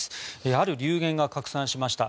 ある流言が拡散しました。